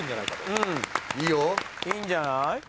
いいよ。いいんじゃない？